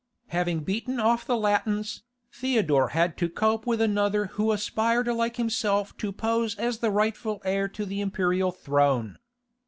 _) Having beaten off the Latins, Theodore had to cope with another who aspired like himself to pose as the rightful heir to the imperial throne.